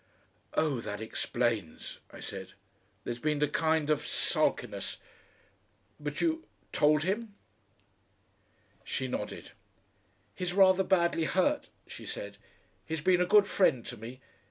"Oh, that explains," I said. "There's been a kind of sulkiness But you told him?" She nodded. "He's rather badly hurt," she said. "He's been a good friend to me.